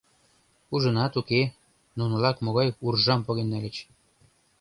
Ужынат, уке, нунылак могай уржам поген нальыч?